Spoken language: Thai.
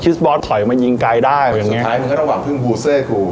คิสบอสถอยมายิงกายได้สุดท้ายมันก็ต้องหวังพึ่งบูซเซอร์กู